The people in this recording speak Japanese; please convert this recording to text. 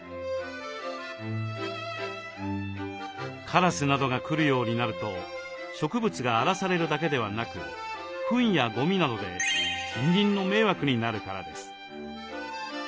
カラスなどが来るようになると植物が荒らされるだけではなくフンやゴミなどで近隣の迷惑になるからです。